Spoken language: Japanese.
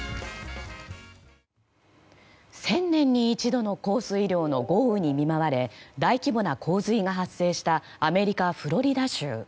１０００年に一度の降水量の豪雨に見舞われ大規模な洪水が発生したアメリカ・フロリダ州。